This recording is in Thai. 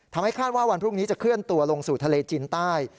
คาดว่าวันพรุ่งนี้จะเคลื่อนตัวลงสู่ทะเลจีนใต้